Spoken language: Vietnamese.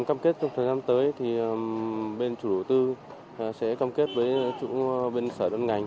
căm kết trong thời gian tới thì bên chủ tư sẽ cam kết với chủ bên sở bắt ngành